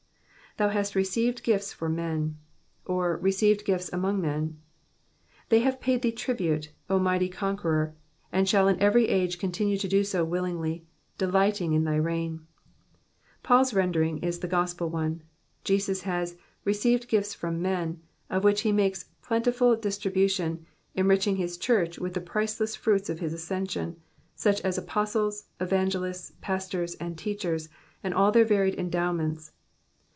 ''''Thou haat received gifts for men^^^ or, received gifts among men : they have paid thee tribute, O mighty Conqueror, and shall in every age continue to do so willingly, delighting in thy reign. Paurs rendering is the gospel one : Jesus has *' received gifts for men,'* of which he makes plentiful distribution, enriching his church with the price less fruits of his ascension, such as apostles, evangelists, pastors, and teachers, and all their varied endowments.